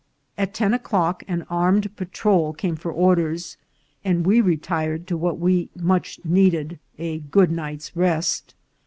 At ten o'clock an armed pa trol came for orders, and we retired to what we much needed, a good night's rest.